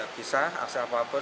bisa aksi apa pun